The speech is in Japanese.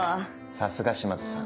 さすが島津さん